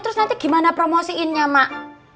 terus nanti gimana promosiinnya mak